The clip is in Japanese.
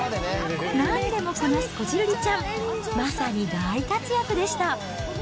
なんでもこなすこじるりちゃん、まさに大活躍でした。